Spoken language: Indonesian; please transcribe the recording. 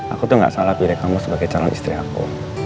aku tuh gak salah pilih kamu sebagai calon istri aku